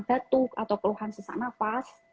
batuk atau keluhan sesak nafas